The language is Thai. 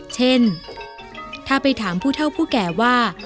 เช่นถ้าไปถามผู้เท่าผู้แก่ว่า